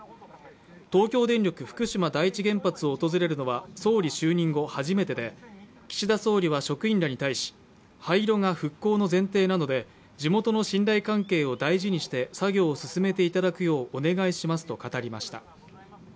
東京電力・福島第一原発を訪れるのは、総理就任後初めてで、岸田総理は職員らに対し廃炉が復興の前提なので地元の信頼関係を大事にして作業を進めていただくようお願いしますと語りました。